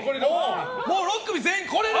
もう６組全員来れる？